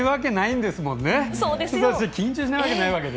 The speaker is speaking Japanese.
緊張しないわけがないわけで。